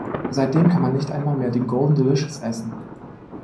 Seitdem kann man nicht einmal mehr den Golden Delicious essen.